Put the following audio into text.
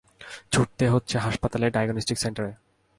ছুটতে হচ্ছে হাসপাতালে, ডায়াগনস্টিক সেন্টারে।